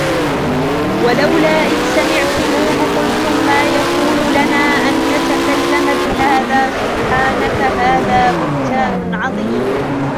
وَلَوْلَا إِذْ سَمِعْتُمُوهُ قُلْتُمْ مَا يَكُونُ لَنَا أَنْ نَتَكَلَّمَ بِهَذَا سُبْحَانَكَ هَذَا بُهْتَانٌ عَظِيمٌ